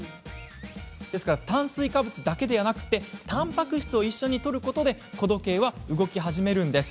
炭水化物だけでなくたんぱく質を一緒にとることで子時計は動き始めるんです。